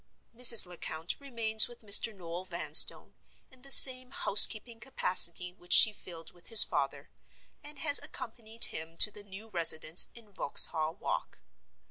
Mrs. Lecount remains with Mr. Noel Vanstone, in the same housekeeping capacity which she filled with his father, and has accompanied him to the new residence in Vauxhall Walk.